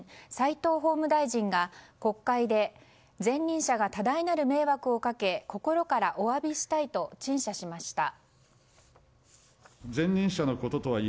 齋藤法務大臣が国会で前任者が多大なる迷惑をかけ心からお詫びしたいと陳謝しました。